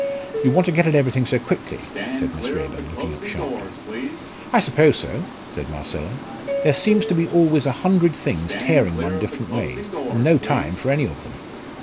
"You want to get at everything so quickly?" said Miss Raeburn, looking up sharply. "I suppose so!" said Marcella. "There seems to be always a hundred things tearing one different ways, and no time for any of them."